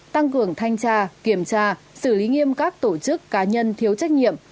tăng cường thanh tra kiểm tra xử lý nghiêm các tổ chức cá nhân thiếu trách nhiệm